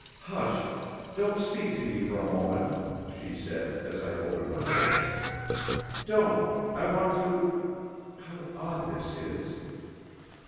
"Hush! Don't speak to me for a moment," she said, as I opened my lips. "Don't; I want to How odd this is!"